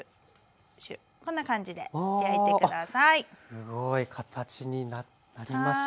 すごい。形になりました。